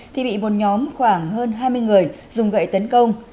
thì bị một nhóm khoảng hơn hai mươi người dùng gậy tấn công